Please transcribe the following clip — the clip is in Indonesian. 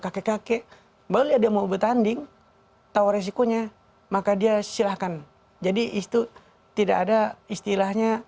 kakek kakek baru ada mau bertanding tahu resikonya maka dia silahkan jadi itu tidak ada istilahnya